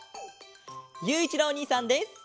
ゆういちろうおにいさんです！